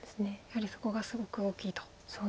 やはりそこがすごく大きいと。